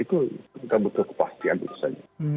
itu kita butuh kepastian itu saja